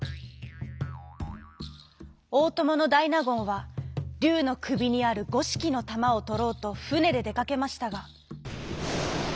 おおとものだいなごんはりゅうのくびにあるごしきのたまをとろうとふねででかけましたが。